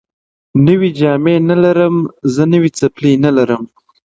نوي جامې نه لرم زه نوي څپلۍ نه لرم